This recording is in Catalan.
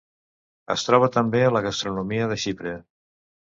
Es troba també a la gastronomia de Xipre.